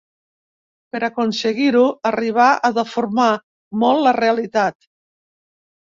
Per aconseguir-ho arribà a deformar molt la realitat.